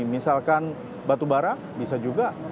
misalkan batu bara bisa juga